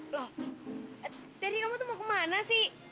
loh dari kamu tuh mau kemana sih